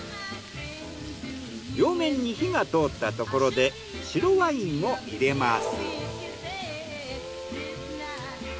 両面に火が通ったところで白ワインを入れます。